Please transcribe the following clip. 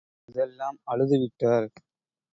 அதெல்லாம் அழுது விட்டார்.